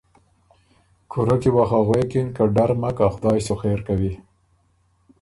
کُورۀ کی وه خه غوېکِن که ”ډر مک ا خدایٛ سُو خېر کوی“